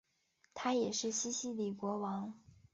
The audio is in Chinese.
他也是西西里国王。